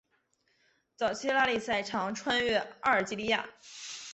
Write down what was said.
早期拉力赛常穿越阿尔及利亚。